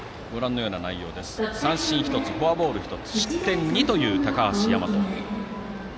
今日は三振１つフォアボール１つ失点２という高橋大和。